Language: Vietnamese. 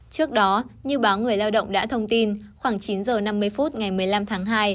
trước đó như báo người lao động đã thông tin khoảng chín h năm mươi phút ngày một mươi năm tháng hai